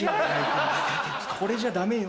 これじゃダメよ。